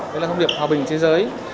đó là thông điệp hòa bình thế giới